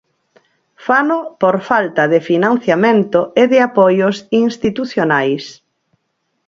Fano por falta de financiamento e de apoios institucionais.